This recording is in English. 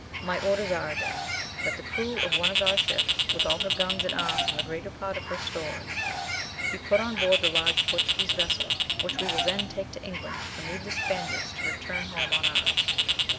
My orders are, then, that the crew of one of our ships, with all her guns and arms and the greater part of her stores, be put on board the large Portuguese vessel, which we will then take to England, and leave the Spaniards to return home on ours."